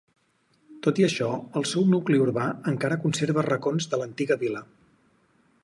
Tot i això, el seu nucli urbà encara conserva racons de l'antiga vila.